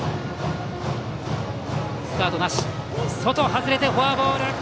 外れてフォアボール。